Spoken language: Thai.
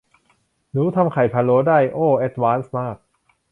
หนูทำไข่พะโล้ได้ โอ้ แอดวานซ์มาก